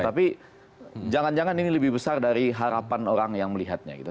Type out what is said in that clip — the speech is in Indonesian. tapi jangan jangan ini lebih besar dari harapan orang yang melihatnya gitu